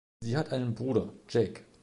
Sie hat einen Bruder, Jake.